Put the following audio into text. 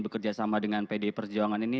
bekerja sama dengan pdi perjuangan ini